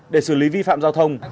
để xử lý vi phạm giao thông